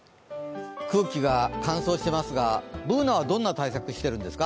空気が乾燥してますがＢｏｏｎａはどんな対策をしているんですか？